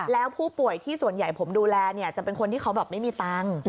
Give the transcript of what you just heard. แล้วผู้ป่วยที่ส่วนใหญ่ผมดูแลจะเป็นคนที่เขาแบบไม่มีตังค์